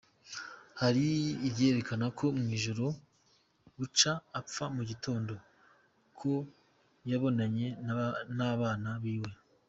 Hari ivyerekana ko mw'ijoro buca apfa mu gitondo, ko yabonanye n'abana biwe.